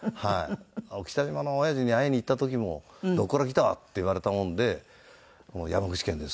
北島のおやじに会いに行った時も「どこから来た？」って言われたもんで「山口県です」と。